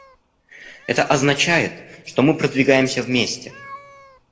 Это означает, что мы продвигаемся вместе.